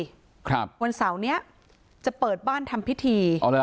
วันเสาร์นี้จะเปิดบ้านทำพิธี